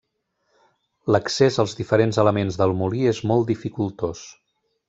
L'accés als diferents elements del molí és molt dificultós.